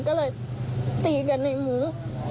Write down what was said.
ก็เลยตีกันในมื้อ